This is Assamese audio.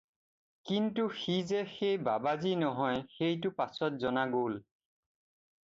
কিন্তু সি যে সেই বাবাজী নহয় সেইটো পাচত জনা গ'ল।